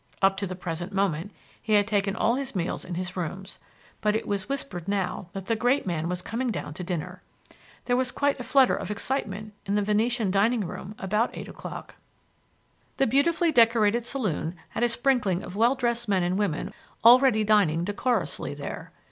Up to the present moment he had taken all his meals in his rooms, but it was whispered now that the great man was coming down to dinner. There was quite a flutter of excitement in the Venetian dining room about eight o'clock. The beautifully decorated saloon had a sprinkling of well dressed men and women already dining decorously there.